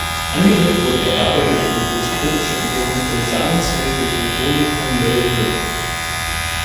Angeregt wurde er dabei durch die mikroskopische Entdeckung von Samenzellen durch Antoni van Leeuwenhoek.